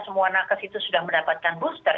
semua anak ke situ sudah mendapatkan booster